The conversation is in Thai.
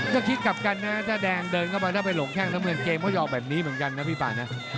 ก็คิดกับกันนะเดี๋ยวแดงเดินเข้าไปแล้วไปหลงแจ้งอะไรต่อไปมันก็ยอมแบบนี้นะพี่ปวยน่ะ